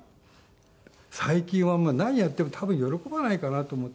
最近は何やっても多分喜ばないかなと思って。